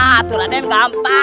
hah tuh raden gampang